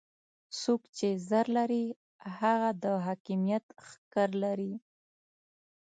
څوک چې زر لري هغه د حاکميت ښکر لري.